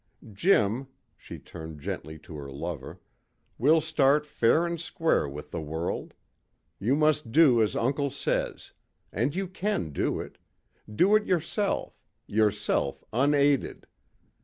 Jim," she turned gently to her lover, "we'll start fair and square with the world. You must do as uncle says. And you can do it. Do it yourself yourself unaided.